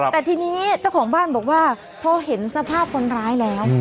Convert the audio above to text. แต่ทีนี้เจ้าของบ้านบอกว่าพอเห็นสภาพคนร้ายแล้ว